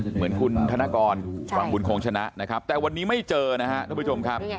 เหมือนคุณธนกรวังบุญคงชนะนะครับแต่วันนี้ไม่เจอนะครับท่านผู้ชมครับ